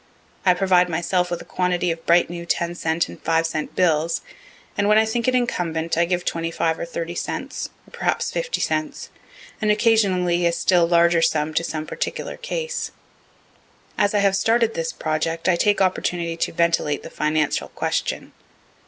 I provide myself with a quantity of bright new ten cent and five cent bills, and, when I think it incumbent, I give 25 or 30 cents, or perhaps 50 cents, and occasionally a still larger sum to some particular case. As I have started this subject, I take opportunity to ventilate the financial question.